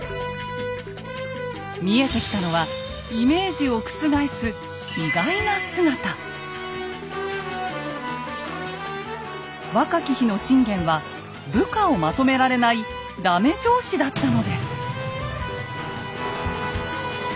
見えてきたのはイメージを覆す若き日の信玄は部下をまとめられないダメ上司だったのです。